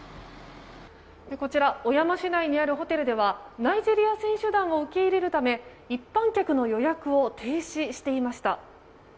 こちら小山市内にあるホテルではナイジェリア選手団を受け入れるため一般客の予約を停止していました。